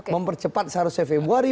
mempercepat seharusnya februari